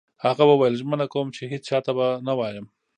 هغه وویل: ژمنه کوم چي هیڅ چا ته به نه وایم.